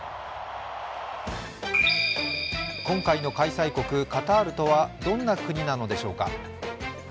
今回の開催国カタールとはどんな国なのでしょうか。